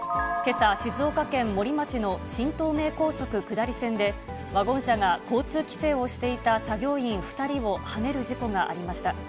けさ静岡県森町の新東名高速下り線で、ワゴン車が交通規制をしていた作業員２人をはねる事故がありました。